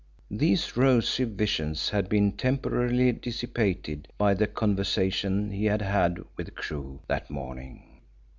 These rosy visions had been temporarily dissipated by the conversation he had had with Crewe that morning.